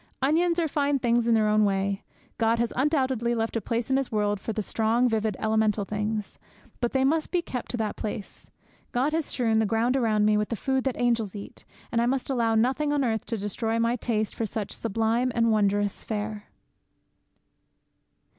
Onions are fine things in their own way. God has undoubtedly left a place in His world for the strong, vivid, elemental things. But they must be kept to that place. God has strewn the ground around me with the food that angels eat, and I must allow nothing on earth to destroy my taste for such sublime and wondrous fare.